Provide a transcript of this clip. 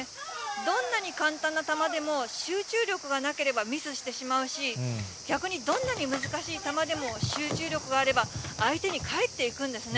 どんなに簡単な球でも、集中力がなければミスしてしまうし、逆にどんなに難しい球でも、集中力があれば、相手に返っていくんですね。